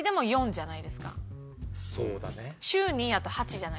そうだね。